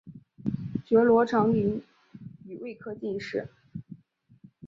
觉罗长麟乙未科进士。